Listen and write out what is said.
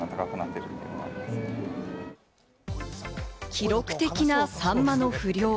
記録的なサンマの不漁。